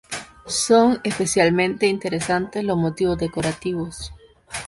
Son especialmente interesantes los motivos decorativos.